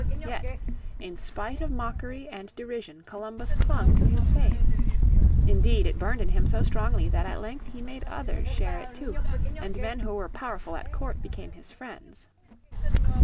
Yet in spite of mockery and derision Columbus clung to his faith. Indeed it burned in him so strongly that at length he made others share it too, and men who were powerful at court became his friends.